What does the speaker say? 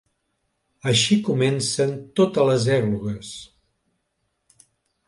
Així comencen totes les èglogues.